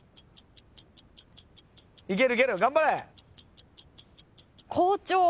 いけるいける頑張れ！